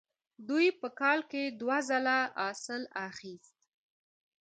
دوی په کال کې دوه ځله حاصل اخیست.